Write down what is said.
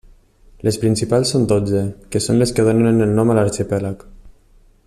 Les principals són dotze, que són les que donen el nom a l'arxipèlag.